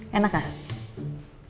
di dapur ni